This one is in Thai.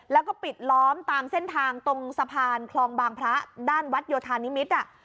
แล้วก็ปิดล้อมตามเส้นทางตรงสะพานคลองบางพระด้านวัดโยธานิมิตร